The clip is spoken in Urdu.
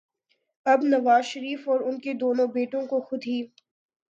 اب نواز شریف اور ان کے دونوں بیٹوں کو خود ہی